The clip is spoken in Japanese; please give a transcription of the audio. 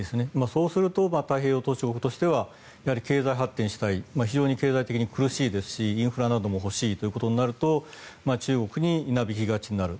そうすると太平洋島しょ国としては経済発展したい非常に経済的に苦しいですしインフラなども欲しいということになると中国になびきがちになる。